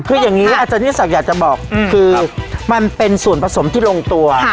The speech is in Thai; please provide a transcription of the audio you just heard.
คืออย่างนี้อาจารย์ที่ศักดิ์อยากจะบอกคือมันเป็นส่วนผสมที่ลงตัว